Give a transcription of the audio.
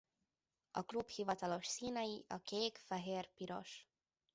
A klub hivatalos színei a kék-fehér-piros.